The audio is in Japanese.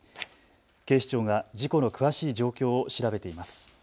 警視庁が事故の詳しい状況を調べています。